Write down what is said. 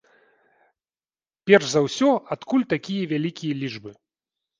Перш за ўсё, адкуль такія вялікія лічбы?